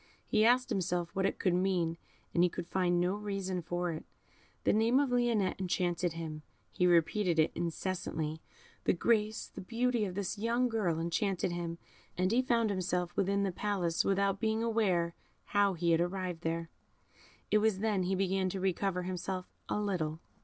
He asked himself what it could mean, and he could find no reason for it. The name of Lionette enchanted him. He repeated it incessantly. The grace, the beauty of this young girl enchanted him, and he found himself within the palace without being aware how he had arrived there. It was then he began to recover himself a little.